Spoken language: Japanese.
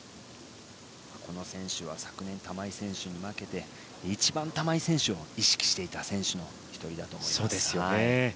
この選手は昨年玉井選手に負けて一番、玉井選手を意識していた選手の１人だと思います。